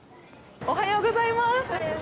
おはようございます。